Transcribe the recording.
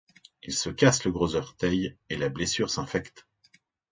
Il se casse le gros orteil et la blessure s'infecte.